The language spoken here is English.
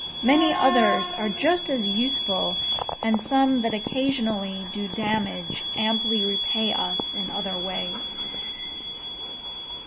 Many others are just as useful and some that occasionally do damage amply repay us in other ways.